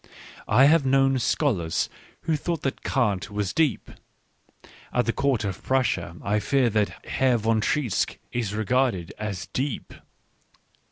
I have known scholars who thought that Kant was deep. At the Court of Prussia I fear that Herr von Treitschke is regarded as deep.